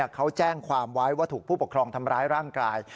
เขาแจ้งความไว้ว่าถูกผู้ปกครองทำร้ายร่างกาย